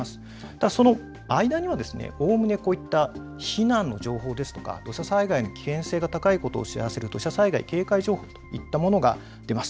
ただその間にはおおむねこういった避難の情報ですとか土砂災害の危険性が高いことを知らせる土砂災害警戒情報といったものが出ます。